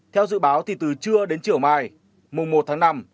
theo dự báo thì từ trưa đến chiều mai mùa một tháng năm